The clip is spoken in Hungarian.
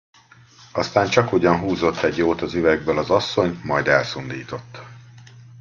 Aztán csakugyan húzott egy jót az üvegből az asszony, majd elszundított.